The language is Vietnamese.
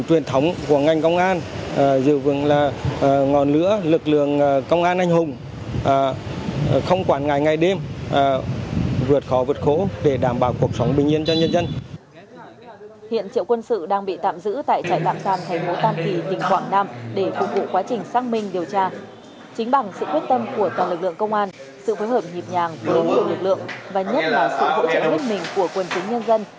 chính bằng sự quyết tâm của toàn lực lượng công an sự phối hợp nhịp nhàng của đối tượng lực lượng và nhất là sự hỗ trợ huyết mình của quân chính nhân dân